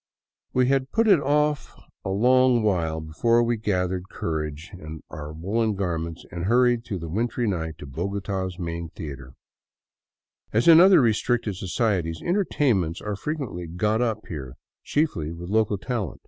We had put it off a long while before we gathered courage and all our woolen garments and hurried through the wintry night to Bogota's main theater. As in other restricted societies, entertainments are frequently " got up " here, chiefly with local talent.